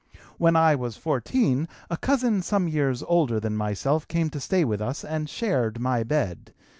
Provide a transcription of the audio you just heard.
"When I was 14 a cousin some years older than myself came to stay with us and shared my bed.